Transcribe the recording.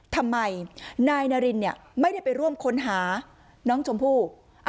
ทำไมนายนารินไม่ได้ไปร่วมค้นหาน้องชมพู่